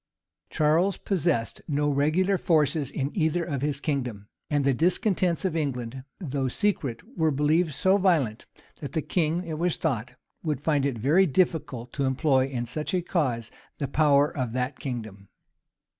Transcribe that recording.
Charles possessed no regular forces in either of his kingdoms. And the discontents in England, though secret, were believed so violent, that the king, it was thought, would find it very difficult to employ in such a cause the power of that kingdom.